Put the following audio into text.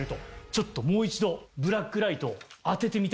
ちょっともう一度ブラックライトを当ててみたい。